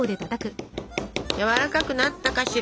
やわらかくなったかしら。